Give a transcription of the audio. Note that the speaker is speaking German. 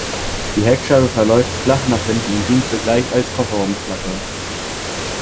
Die Heckscheibe verläuft flach nach hinten und dient zugleich als Kofferraumklappe.